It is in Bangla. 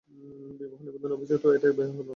বিবাহ নিবন্ধকের অফিসে, তো এটা বিয়ে হলো না?